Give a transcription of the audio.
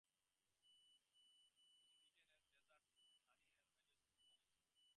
It is eaten as dessert with honey or as mezes with olives and tomato.